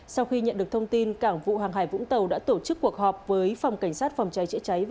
sau khi nhận được thông tin cảng vụ hàng hải vũng tàu đã tổ chức cuộc họp với phòng cảnh sát phòng cháy chữa cháy và